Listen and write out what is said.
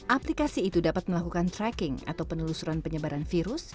aplikasi itu dapat melakukan tracking atau penelusuran penyebaran virus